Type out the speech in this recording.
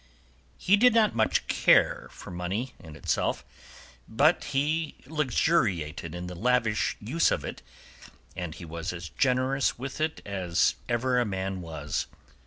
He did not care much for money in itself, but he luxuriated in the lavish use of it, and he was as generous with it as ever a man was.